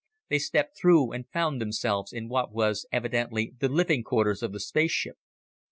They stepped through and found themselves in what was evidently the living quarters of the spaceship.